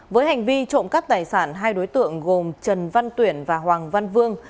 với hành vi trộm cắp tài sản hai đối tượng gồm trần văn tuyển và hoàng văn vương